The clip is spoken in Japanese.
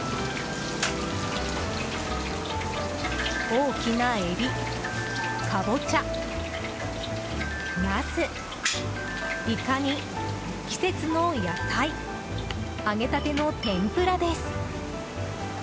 大きなエビ、カボチャ、ナスイカに季節の野菜揚げたての天ぷらです。